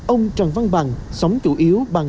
ông trần văn bằng sống chủ yếu bằng